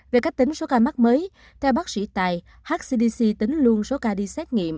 về cách tính số ca mắc mới theo bác sĩ tài hcdc tính luôn số ca đi xét nghiệm